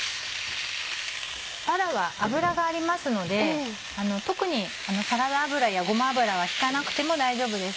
バラは脂がありますので特にサラダ油やごま油は引かなくても大丈夫です。